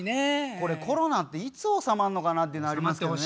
これコロナっていつ収まんのかなっていうのありますけどね。